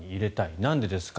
なんでですか。